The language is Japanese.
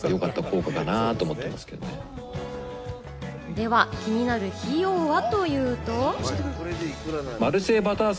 では、気になる費用はというと。